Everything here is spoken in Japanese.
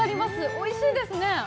おいしいですね。